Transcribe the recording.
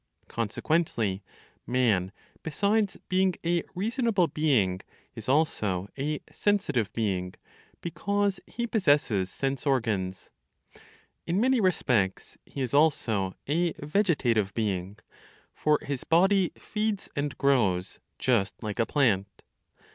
Consequently, man (besides being a reasonable being) is also a sensitive being, because he possesses sense organs. In many respects, he is also a vegetative being; for his body feeds and grows just like a plant.